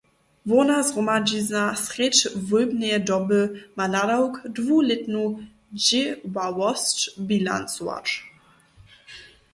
Hłowna zhromadźizna srjedź wólbneje doby ma nadawk, dwulětnu dźěławosć bilancować.